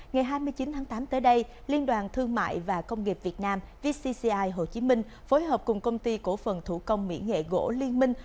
ngày hai mươi chín tháng tám tới đây liên đoàn thương mại và công nghiệp việt nam vcci hồ chí minh phối hợp cùng công ty cổ phần thủ công mỹ nghệ gỗ liên minh